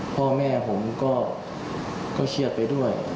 พ่อแม่ผมก็เครียดไปด้วย